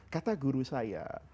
kata guru saya